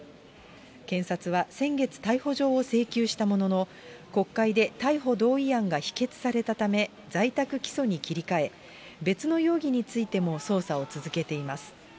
検察は先月、逮捕状を請求したものの、国会で逮捕同意案が否決されたため、在宅起訴に切り替え、別の容疑についても捜査を続けています。